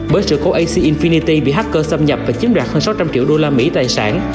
bởi sự cố ac infinity bị hacker xâm nhập và chiếm đoạt hơn sáu trăm linh triệu usd tài sản